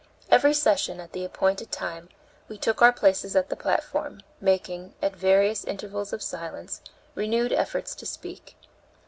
Every session, at the appointed time, we took our places on the platform, making, at various intervals of silence, renewed efforts to speak.